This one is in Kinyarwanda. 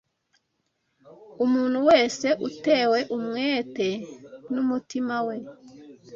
umuntu wese, utewe umwete n’umutima we